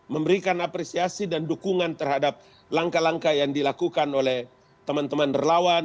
memberikan apresiasi dan dukungan terhadap langkah langkah yang dilakukan oleh teman teman relawan